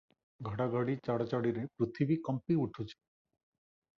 ଘଡ଼ଘଡ଼ି ଚଡ଼ଚଡ଼ିରେ ପୃଥିବୀ କମ୍ପି ଉଠୁଛି ।